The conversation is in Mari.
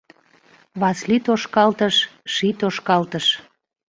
Васли тошкалтыш — ший тошкалтыш